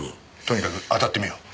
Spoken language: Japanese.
とにかくあたってみよう。